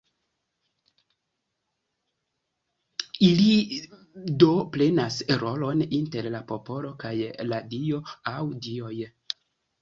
Ili do prenas rolon inter la popolo kaj la Dio aŭ Dioj.